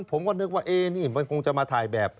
ผมก็นึกว่านี่มันคงจะมาถ่ายแบบ